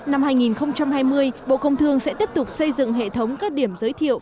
năm hai nghìn hai mươi bộ công thương sẽ tiếp tục xây dựng hệ thống các điểm giới thiệu